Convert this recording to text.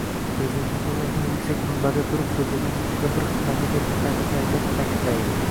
Prezidentimiz oʻsha kuni yuksak minbarda turib soʻzlagan nutqida bir hikmatli gapni qayta-qayta taʼkidladi.